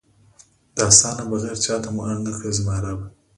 دا ستا نه بغیر چاته مو اړ نکړې زما ربه!